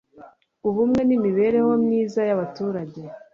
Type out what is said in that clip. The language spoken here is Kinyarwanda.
ubumwe n'imibereho myiza y'abaturage